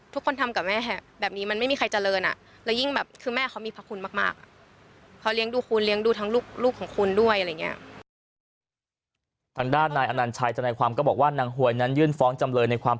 ทุกคนทำกับแม่แบบนี้มันไม่มีใครเจริญและยิ่งแบบคือแม่เขามีภาคคุณมาก